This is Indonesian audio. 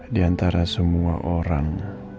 di antara semua orang